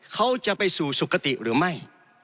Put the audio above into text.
เขาจะไปสู่สุขติหรือไม่